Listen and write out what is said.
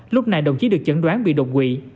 lúc này đồng chí được chẩn đoán bị đột quỵ